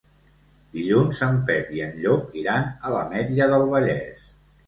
Dilluns en Pep i en Llop iran a l'Ametlla del Vallès.